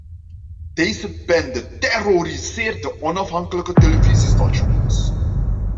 Deze bende terroriseert de onafhankelijke televisiestations.